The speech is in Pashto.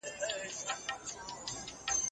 دوی د ښار له ګڼې ګوڼې لرې ژوند کوي.